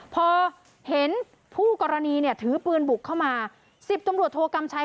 พอเห็นคู่กรณีเนี่ยถือปืนบุกเข้ามา๑๐ตำรวจโทกำชัย